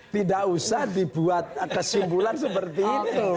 tidak usah dibuat kesimpulan seperti itu